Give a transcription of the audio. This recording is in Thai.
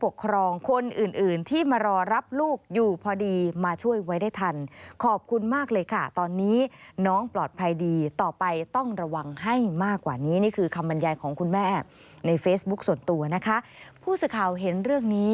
โดยโดยโดยโดยโดยโดยโดยโดยโดยโดยโดยโดยโดยโดยโดยโดยโดย